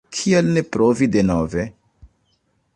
Kial ne provi denove?